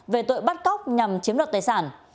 về tội bắt cóc nhằm chiếm đoạt tài sản